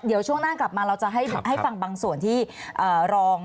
เดี๋ยวช่วงหน้ากลับมาเราจะให้ฟังบางส่วนที่รอง